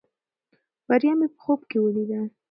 بریا مې په خوب کې ولیده.